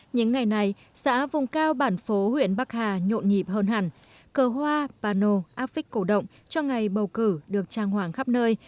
những ngày này xã vùng cao bản phố huyện bắc hà nhộn nhịp hơn hẳn cờ hoa bà nô áp phích cổ động cho ngày bầu cử được trang hoàng khắp nơi